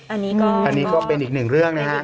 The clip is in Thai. อันนี้ก็เป็นอีกหนึ่งเรื่องนะครับ